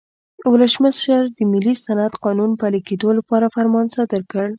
ولسمشر د ملي صنعت قانون پلي کېدو لپاره فرمان صادر کړ.